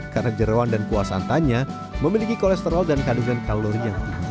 karena jerawan dan kuah santannya memiliki kolesterol dan kandungan kalori